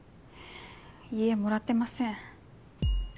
いえもらってません。